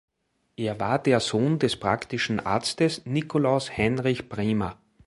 Er war der Sohn des praktischen Arztes Nikolaus Heinrich Brehmer.